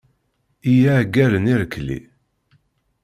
I yiɛeggalen irkkeli.